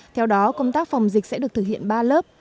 theo đó công tác phòng dịch sẽ được thực hiện ba lớp